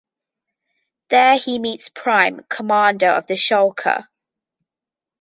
There he meets Prime, commander of the Shalka.